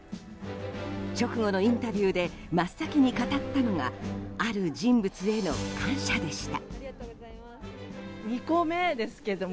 直後のインタビューで真っ先に語ったのがある人物への感謝でした。